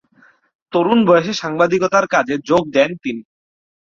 তরুন বয়েসে সাংবাদিকতার কাজে যোগ দেন তিনি।